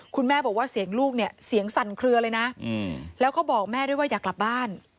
คุณแม่บอกว่าเสียงลูกเนี่ยเสียงสั่นเคลือเลยนะแล้วก็บอกแม่ด้วยว่าอยากกลับบ้าน